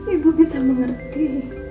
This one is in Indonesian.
ibu bisa mengerti